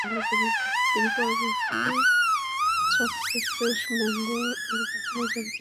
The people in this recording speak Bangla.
তিনি পরবর্তীতে ক্রিস্টোফার ম্যাঙ্গ এর বহরে যোগদান করেন।